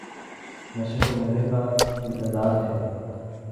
مشرق و مغرب کا امتزاج ہے